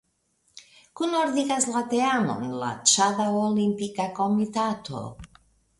Kunordigas la teamon la Ĉada Olimpika Komitato.